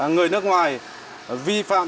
người nước ngoài vi phạm